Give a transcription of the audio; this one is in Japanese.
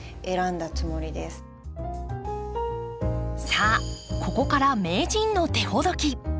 さあここから名人の手ほどき。